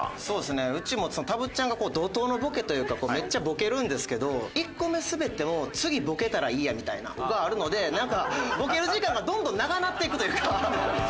そうですねうちもたぶっちゃんが怒濤のボケというかめっちゃボケるんですけど１個目スベっても次ボケたらいいやみたいなのがあるのでなんかボケる時間がどんどん長なっていくというか。